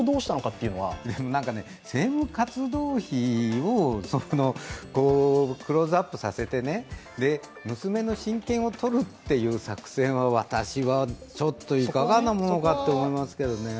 政務活動費をクローズアップさせて娘の親権を取るっていう作戦は私はちょっといかがなものかなと思いますけどね。